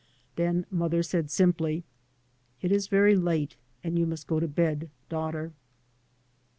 Then mother said simply, " It is very late and you must go to bed, daughter."